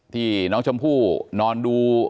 ที่น้องชมพู่นอนดู